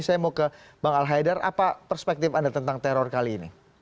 saya mau ke bang al haidar apa perspektif anda tentang teror kali ini